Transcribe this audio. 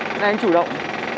cái này anh chủ động